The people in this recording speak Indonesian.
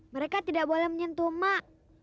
mereka tidak boleh menyentuh mak